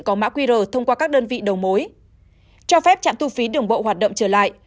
có mã qr thông qua các đơn vị đầu mối cho phép trạm thu phí đường bộ hoạt động trở lại